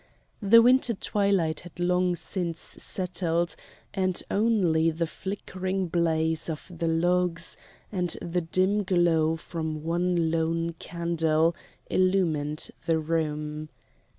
The winter twilight had long since settled and only the flickering blaze of the logs and the dim glow from one lone candle illumined the room.